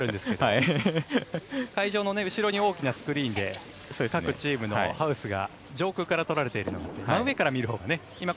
会場にある後ろに大きなスクリーンで各チームのハウスが上空から撮られているので真上から見るほうがね。